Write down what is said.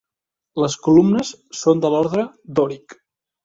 Les columnes són de l'ordre dòric.